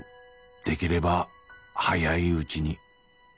「できれば早いうちに」